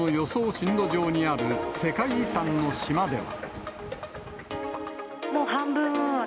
進路上にある世界遺産の島では。